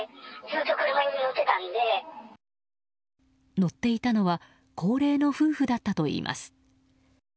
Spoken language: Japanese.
乗っていたのは高齢の夫婦だったといいます。